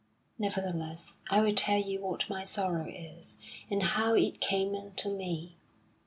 Nevertheless, I will tell you what my sorrow is, and how it came unto me.